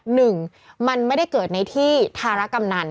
หนึ่งมันไม่ได้เกิดในที่ธารกำนัน